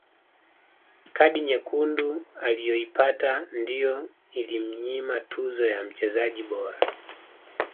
kadi nyekundu aliyoipata ndiyo ilimnyima tuzo ya mchezaji bora